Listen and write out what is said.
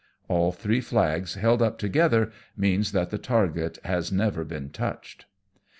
All three flags held up together means that the target has never been touched.